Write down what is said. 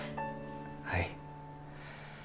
はい